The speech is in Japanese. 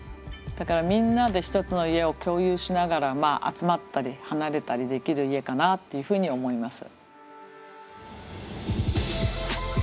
だからみんなで一つの家を共有しながら集まったり離れたりできる家かなというふうに思います。